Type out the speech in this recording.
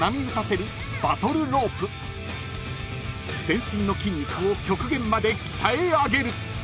［全身の筋肉を極限まで鍛え上げる］